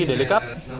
để đính cắp